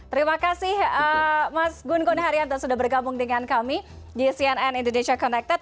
terima kasih mas gun gun haryanto sudah bergabung dengan kami di cnn indonesia connected